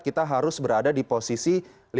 kita harus berada di posisi